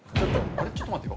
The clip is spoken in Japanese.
ちょっと待って。